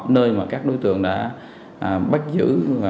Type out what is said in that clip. nơi mà các đối tượng đã bắt giữ